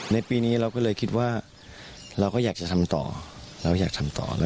ในปีนี้เราก็เลยคิดว่าเราก็อยากจะทำต่อ